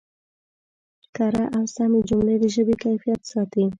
کره او سمې جملې د ژبې کیفیت ساتي.